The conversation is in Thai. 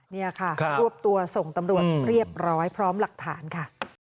นี่ค่ะรวบตัวส่งตำรวจเรียบร้อยพร้อมหลักฐานค่ะ